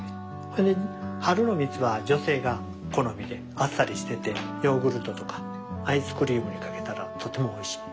で春の蜜は女性が好みであっさりしててヨーグルトとかアイスクリームにかけたらとてもおいしい。